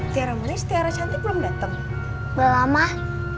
tiara manis tiara cantik belum datang belum ah